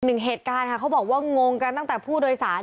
หนึ่งเหตุการณ์ค่ะเขาบอกว่างงกันตั้งแต่ผู้โดยสาร